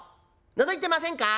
のぞいてませんか？